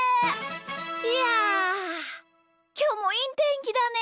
いやきょうもいいてんきだね。